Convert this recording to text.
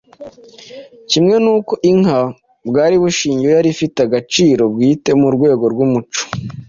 kimwe n'uko inka bwari bushingiyeho yari ifite agaciro bwite mu rwego rw'umuco,